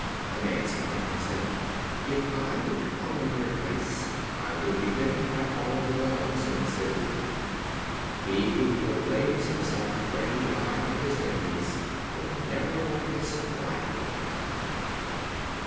The Man smiled, and said: "If I were to follow your advice, I should be bitten by all the dogs in the city." He who proclaims himself ready to buy up his enemies will never want a supply of them.